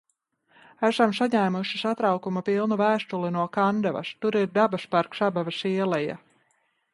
Esam saņēmuši satraukuma pilnu vēstuli no Kandavas. Tur ir dabas parks "Abavas ieleja".